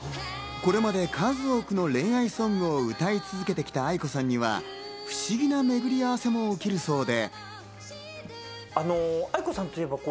これまで数多くの恋愛ソングを歌い続けてきたａｉｋｏさんには不思議な巡り合わせも起きるそうで。